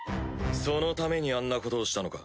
そのためにあんなことをしたのか？